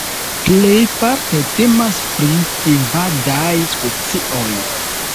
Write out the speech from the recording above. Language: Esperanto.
Plejparte temas pri invadaj specioj.